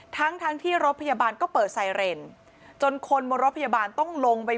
ทั้งทั้งที่รถพยาบาลก็เปิดไซเรนจนคนบนรถพยาบาลต้องลงไป